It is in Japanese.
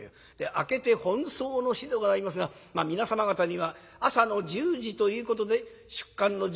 「明けて本葬の日でございますが皆様方には朝の１０時ということで出棺の時間をお知らせしたいと存じ」。